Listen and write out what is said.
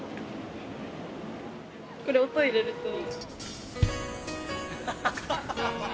これ、音入れると。